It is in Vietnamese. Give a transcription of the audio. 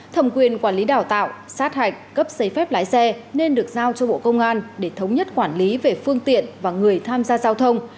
thẩm quyền quản lý đào tạo sát hạch cấp giấy phép lái xe nên được giao cho bộ công an để thống nhất quản lý về phương tiện và người tham gia giao thông